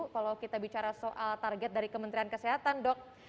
kalau kita bicara soal target dari kementerian kesehatan dok